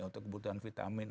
untuk kebutuhan vitamin